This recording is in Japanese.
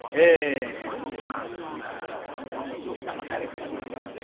でまあだまされちゃうわけなんですが。